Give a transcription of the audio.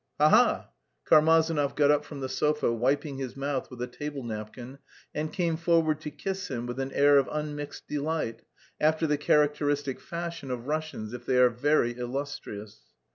"Ha ha!" Karmazinov got up from the sofa, wiping his mouth with a table napkin, and came forward to kiss him with an air of unmixed delight after the characteristic fashion of Russians if they are very illustrious.